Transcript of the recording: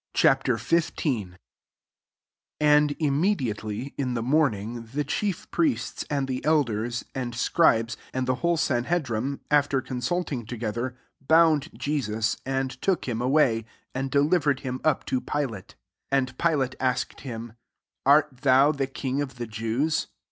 XV. 1 AND immediate ly, in the morning, the chief priests and the elders, and scribes, and the whole sanhe drim, aiter consulting together, bound Jesus^ and took him away, and delivered him up to Pilate. S And Pilate asked him) ''Ai:t thou the king of the Jews